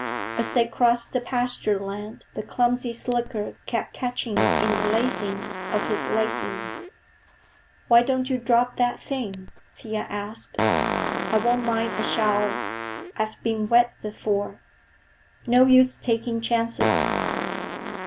As they crossed the pasture land the clumsy slicker kept catching in the lacings of his leggings. "Why don't you drop that thing?" Thea asked. "I won't mind a shower. I've been wet before." "No use taking chances."